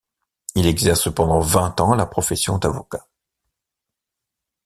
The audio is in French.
Il exerce pendant vingt ans la profession d'avocat.